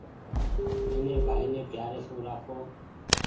نيني ڀآئين پيآري سون رآکو ۔